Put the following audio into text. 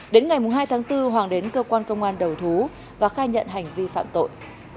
đến ngày hai tháng bốn hoàng đến cơ quan công an đầu thú và khai nhận hành vi phạm tội